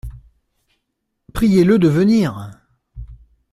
Priez-le de venir.